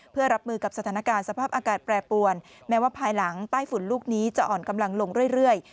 เพื่อรับมือกับสถานการณ์สภาพอากาศแปรปวนแม้ว่าภายหลังใต้ฝุ่นลูกนี้จะอ่อนกำลังลงเรื่อย